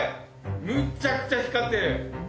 むっちゃくちゃ光ってる！